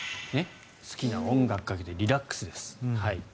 好きな音楽をかけてリラックスです。